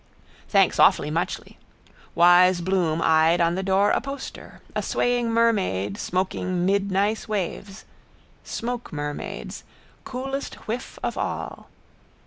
Thanks awfully muchly. Wise Bloom eyed on the door a poster, a swaying mermaid smoking mid nice waves. Smoke mermaids, coolest whiff of all.